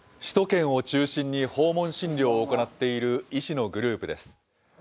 首都圏を中心に訪問診療を行っている医師のグループです。